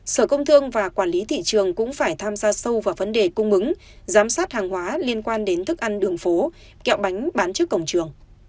sở công thương và quản lý thị trường cũng phải tham gia sâu vào vấn đề cung ứng giám sát hàng hóa liên quan đến thức ăn đường phố kẹo bánh trước cổng trường